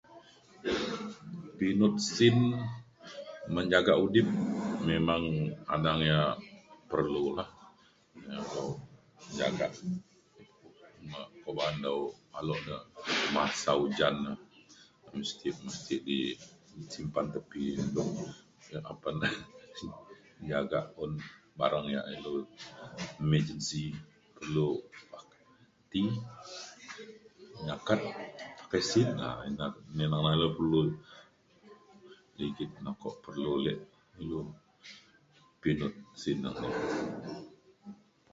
pinut sin menjagak udip memang adang yak perlu lah. dalau jagak ko ba’an dau alok na masa ujan na mesti mesti di simpan tepi yak apan jagak un barang yak ilu emergency ilu ti nyaket pakai sin na ina lau perlu ligit na kok perlu ulek ilu pinut sin na